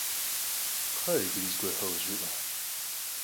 Kxhı'e, yicıri zıguerxer khızjjê'e.